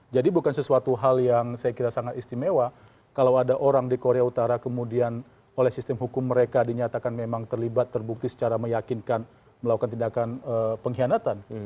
jadi bukan sesuatu hal yang saya kira sangat istimewa kalau ada orang di korea utara kemudian oleh sistem hukum mereka dinyatakan memang terlibat terbukti secara meyakinkan melakukan tindakan pengkhianatan